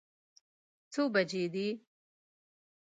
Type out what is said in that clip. څو بجې دي؟